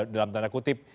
dalam tanda kutip